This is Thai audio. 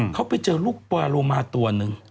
เขาไปเจอลูกปลาโลมาตัวหนึ่ง